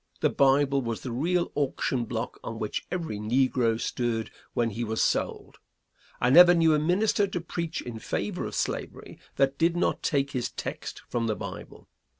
The Bible was the real auction block on which every negro stood when he was sold. I never knew a minister to preach in favor of slavery that did not take his text from the Bible.